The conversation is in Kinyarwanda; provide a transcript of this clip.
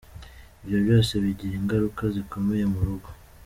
Ibyo byose bigira ingaruka zikomeye mu rugo.